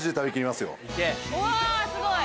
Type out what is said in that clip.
うわすごい。